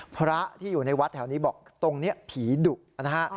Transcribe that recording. พระที่อยู่ในวัดแถวนี้บอกตรงนี้ผีดุนะฮะ